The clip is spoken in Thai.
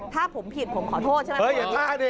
ถ้าผมผิดผมขอโทษใช่ไหมครับทุกคนโอ้โฮอย่าถ้าดิ